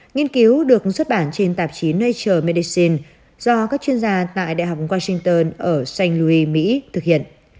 nghiên cứu được xuất bản trên tạp chí nature medicine do các chuyên gia tại đại học washington ở san louis mỹ thực hiện